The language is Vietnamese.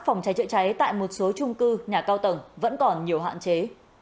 phòng cháy chữa cháy tại một số trung cư nhà cao tầng vẫn còn nhiều hạn chế